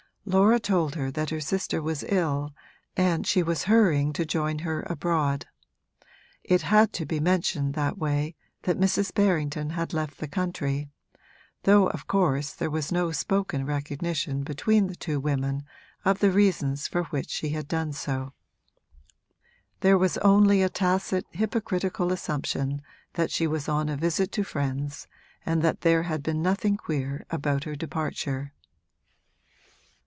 Laura told her that her sister was ill and she was hurrying to join her abroad. It had to be mentioned, that way, that Mrs. Berrington had left the country, though of course there was no spoken recognition between the two women of the reasons for which she had done so. There was only a tacit hypocritical assumption that she was on a visit to friends and that there had been nothing queer about her departure.